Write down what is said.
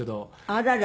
あらら。